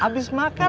abis makan ya bos